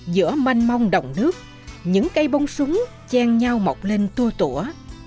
giữa manh mông đồng nước những cây bông súng chen nhau mọc lên tua tủa